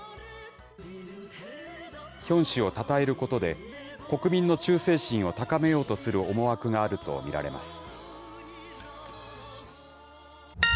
ヒョン氏をたたえることで、国民の忠誠心を高めようとする思惑があると見られます。